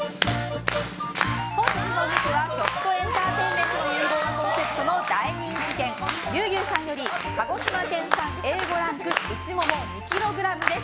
本日のお肉は食とエンターテインメントの融合がコンセプトの大人気店、牛牛さんより鹿児島県産Ａ５ランク内モモ２ｋｇです。